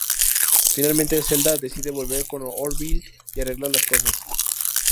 Finalmente, Zelda decide volver con Orville y arreglar las cosas.